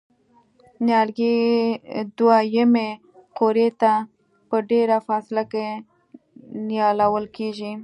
نیالګي دوه یمې قوریې ته په ډېره فاصله کې نیالول کېږي.